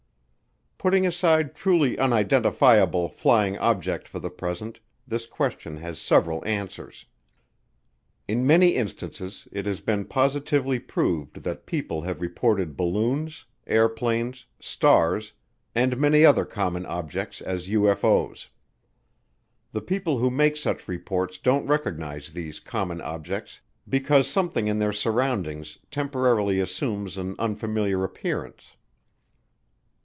Putting aside truly unidentifiable flying objects for the present, this question has several answers. In many instances it has been positively proved that people have reported balloons, airplanes, stars, and many other common objects as UFO's. The people who make such reports don't recognize these common objects because something in their surroundings temporarily assumes an unfamiliar appearance.